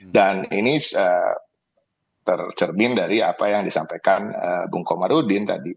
dan ini tercermin dari apa yang disampaikan bung komarudin